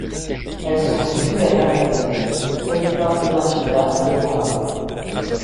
Elles sont situées à Naka-ku près du parc Yamashita à Yokohama.